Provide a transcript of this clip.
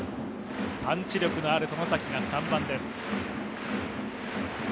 パンチ力のある外崎が３番です。